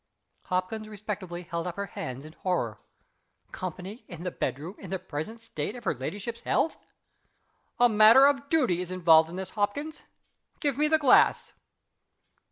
Hopkins respectfully held up her hands in horror. Company in the bedroom in the present state of her ladyship's health! "A matter of duty is involved in this, Hopkins. Give me the glass."